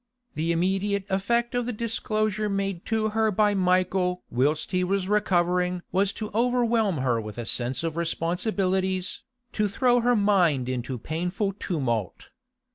The immediate effect of the disclosure made to her by Michael whilst he was recovering was to overwhelm her with a sense of responsibilities, to throw her mind into painful tumult.